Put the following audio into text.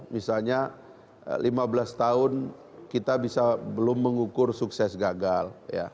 misalnya lima belas tahun kita bisa belum mengukur sukses gagal